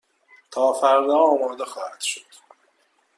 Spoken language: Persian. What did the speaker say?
تا فردا آماده خواهد شد.